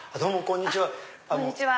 こんにちは。